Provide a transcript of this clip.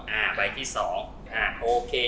อ่าใบที่๒อ่าโอเค